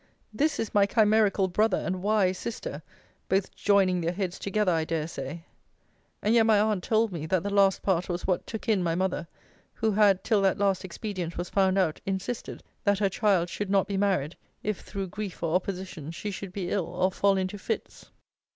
This is my chimerical brother, and wise sister; both joining their heads together, I dare say. And yet, my aunt told me, that the last part was what took in my mother: who had, till that last expedient was found out, insisted, that her child should not be married, if, through grief or opposition, she should be ill, or fall into fits.